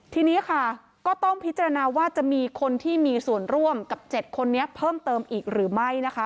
ทีนี้ค่ะก็ต้องพิจารณาว่าจะมีคนที่มีส่วนร่วมกับ๗คนนี้เพิ่มเติมอีกหรือไม่นะคะ